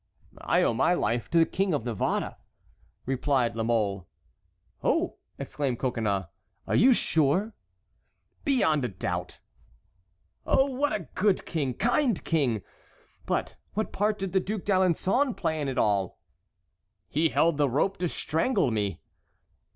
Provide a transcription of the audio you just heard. "I owe my life to the King of Navarre," replied La Mole. "Oh!" exclaimed Coconnas, "are you sure?" "Beyond a doubt." "Oh! what a good, kind king! But what part did the Duc d'Alençon play in it all?" "He held the rope to strangle me."